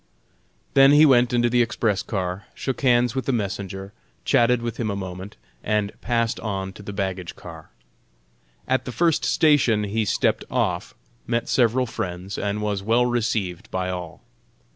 Then he went into the express car, shook hands with the messenger, chatted with him a moment, and passed on to the baggage car. At the first station he stepped off, met several friends, and was well received by all.